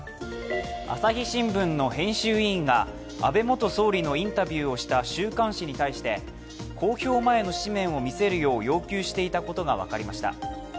朝日新聞の編集委員が安倍元総理のインタビューをした週刊誌に対して、公表前の誌面を見せるよう要求していたことが分かりました。